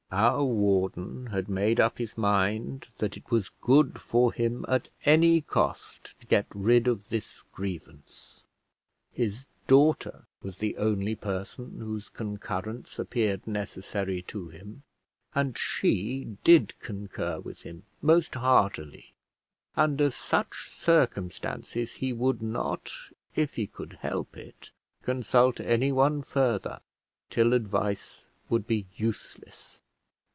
Our warden had made up his mind that it was good for him at any cost to get rid of this grievance; his daughter was the only person whose concurrence appeared necessary to him, and she did concur with him most heartily. Under such circumstances he would not, if he could help it, consult anyone further, till advice would be useless.